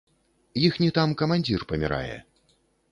Іхні там камандзір памірае.